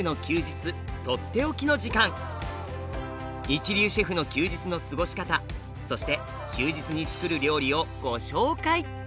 一流シェフの休日の過ごし方そして休日につくる料理をご紹介。